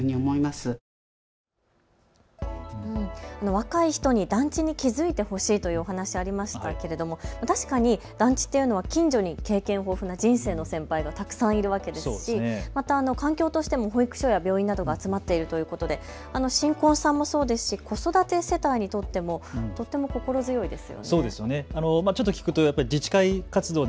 若い人に団地に気付いてほしいというお話、ありましたけど確かに団地というのは近所に経験豊富な人生の先輩がたくさんいるわけですしまたの環境としても保育所や病院などが集まっているということで新婚さんもそうですし子育て世帯にとってもとても心強いですよね。